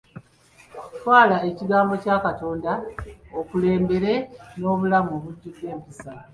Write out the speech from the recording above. Twala ekigambo kya Katonda era okulembere n'obulamu obujjudde empisa.